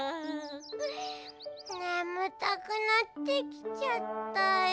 ねむたくなってきちゃったよ。